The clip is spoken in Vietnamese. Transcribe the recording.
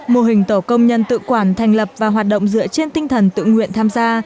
mô hình tổ công nhân tự quản thành lập và hoạt động dựa trên tinh thần tự nguyện tham gia